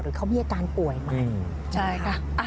เดี๋ยวเขามีอาการป่วยใหม่